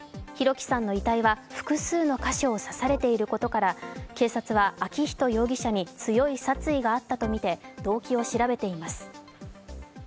輝さんの遺体は複数の箇所を刺されていることから警察は昭仁容疑者に強い殺意があったとみて動機を調べています。